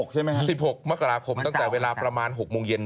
ใช่ไหมครับ๑๖มกราคมตั้งแต่เวลาประมาณ๖โมงเย็น